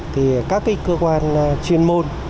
thì các cái cơ quan chuyên môn